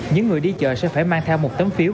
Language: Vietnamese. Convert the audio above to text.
những người đi chợ sẽ phải mang theo một tấm phiếu